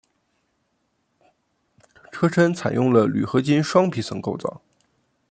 车身采用了铝合金双皮层构造。